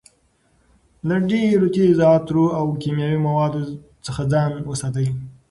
له ډېرو تېزو عطرو او کیمیاوي موادو څخه ځان وساتئ.